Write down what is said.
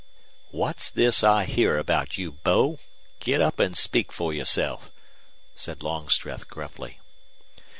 "What's this I hear about you, Bo? Get up and speak for yourself," said Longstreth, gruffly.